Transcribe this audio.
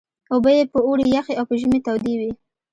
اوبه یې په اوړي یخې او په ژمي تودې وې.